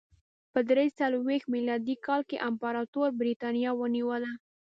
په درې څلوېښت میلادي کال کې امپراتور برېټانیا ونیوله